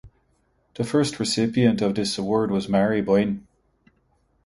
The first recipient of this award was Mari Boine.